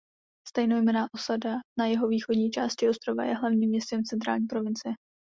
Stejnojmenná osada na jihovýchodní části ostrova je hlavním městem Centrální provincie.